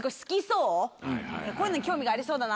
こういうのに興味がありそうだなって。